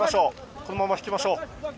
このまま引きましょう。